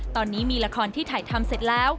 ตอนนี้มีละครที่ถ่ายทำเสร็จแล้ว